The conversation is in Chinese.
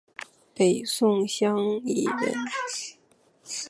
北宋襄邑人。